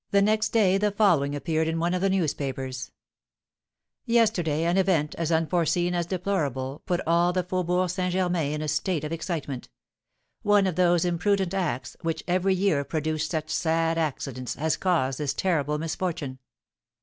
] Next day the following appeared in one of the newspapers: "Yesterday an event, as unforeseen as deplorable, put all the Faubourg St. Germain in a state of excitement. One of those imprudent acts, which every year produce such sad accidents, has caused this terrible misfortune.